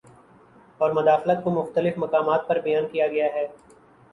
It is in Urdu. اور مداخلت کو مختلف مقامات پر بیان کیا گیا ہے